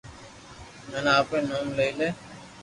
ھين آپري نوم لئي لي